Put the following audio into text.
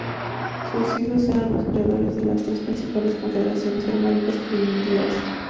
Sus hijos eran los creadores de las tres principales confederaciones germánicas primitivas.